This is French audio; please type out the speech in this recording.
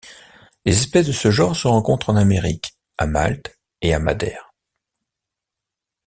Les espèces de ce genre se rencontrent en Amérique, à Malte et à Madère.